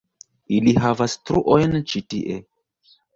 Ili havas truojn ĉi tie